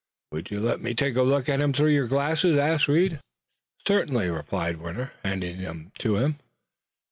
"Would you let me take a look at him through your glasses?" asked Reed. "Certainly," replied Warner, handing them to him.